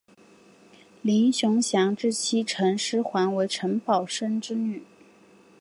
林熊祥之妻陈师桓为陈宝琛之女。